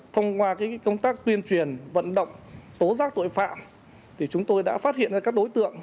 thông qua công tác tuyên truyền vận động tố giác tội phạm chúng tôi đã phát hiện ra các đối tượng